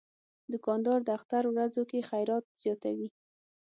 دوکاندار د اختر ورځو کې خیرات زیاتوي.